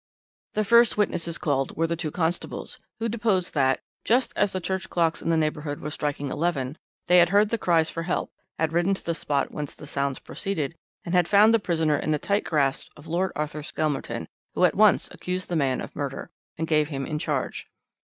"The first witnesses called were the two constables, who deposed that, just as the church clocks in the neighbourhood were striking eleven, they had heard the cries for help, had ridden to the spot whence the sounds proceeded, and had found the prisoner in the tight grasp of Lord Arthur Skelmerton, who at once accused the man of murder, and gave him in charge.